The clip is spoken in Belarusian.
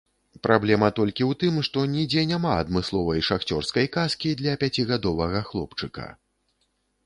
Праблема толькі ў тым, што нідзе няма адмысловай шахцёрскай каскі для пяцігадовага хлопчыка.